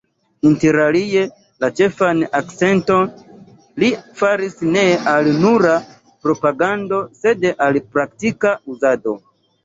Interalie la ĉefan akcenton li faris ne al nura propagando, sed al praktika uzado.